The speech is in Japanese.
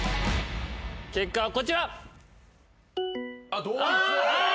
結果はこちら！